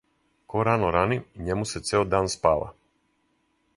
Ко рано рани, њему се цео дан спава.